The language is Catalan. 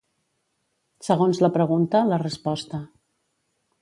Segons la pregunta, la resposta.